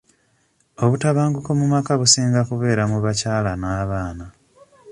Obutabanguko mu maka businga kubeera mu bakyala n'abaana.